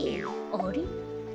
あれ！